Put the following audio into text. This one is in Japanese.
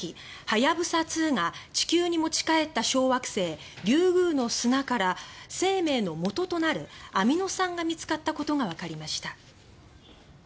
はやぶさ２が地球に持ち帰った小惑星リュウグウの砂から生命のもととなるアミノ酸が見つかったことがわかりました。